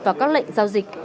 vào các lệnh giao dịch